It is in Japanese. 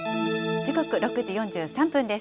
時刻６時４３分です。